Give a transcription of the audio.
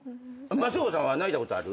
松岡さんは泣いたことある？